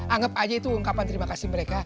anggap aja itu ungkapan terima kasih mereka